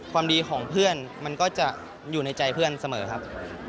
ความดีของเพื่อนมันก็จะอยู่ในใจเพื่อนเสมอครับ